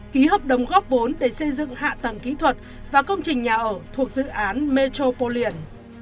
ký hợp đồng góp vốn để xây dựng hạ tầng kỹ thuật và công trình nhà ở thuộc dự án metropolian